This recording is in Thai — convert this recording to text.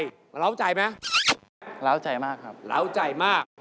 แล้วร้าวใจไหมร้าวใจมากครับร้าวใจมาก